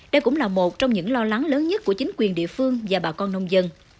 đây cũng là một trong những lo lắng lớn nhất của chính quyền địa phương và bà con nông dân